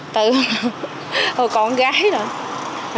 từ hồi con gái rồi